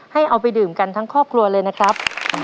ให้เอาไปดื่มกันทั้งครอบครัวเลยนะครับ